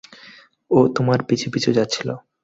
ও তোমার পিছু পিছু যাচ্ছিল!